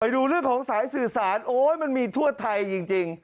ดูเรื่องของสายสื่อสารโอ๊ยมันมีทั่วไทยจริง